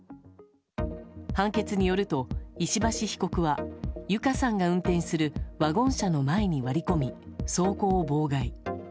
判決によると石橋被告は友香さんが運転するワゴン車の前に割り込み走行を妨害。